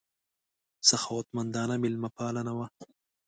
سخاوتمندانه مېلمه پالنه وه.